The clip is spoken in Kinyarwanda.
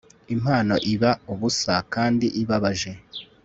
Impano iba ubusa kandi ibabaje